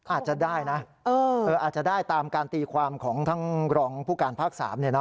อาจจะได้นะอาจจะได้ตามการตีความของทั้งรองผู้การภาค๓